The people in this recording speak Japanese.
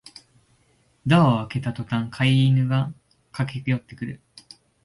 ドアを開けたとたん飼い犬が駆けよってくる